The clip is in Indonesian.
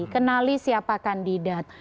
kenali siapa kandidat